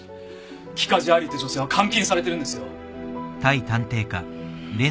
木梶愛莉って女性は監禁されてるんですよ。